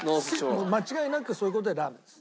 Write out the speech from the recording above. もう間違いなくそういう事でラーメンです。